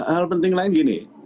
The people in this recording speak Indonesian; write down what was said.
hal penting lain gini